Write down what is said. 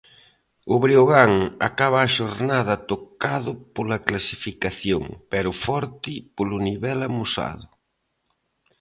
O Breogán acaba a xornada tocado pola clasificación, pero forte polo nivel amosado.